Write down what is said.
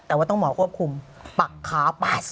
แต่ว่าต้องหมอควบคุมปักขาปัด